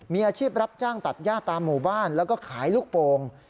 มีอาชีพรับจ้างตัดย่าตามหมู่บ้านแล้วก็ขายลูกโป่ง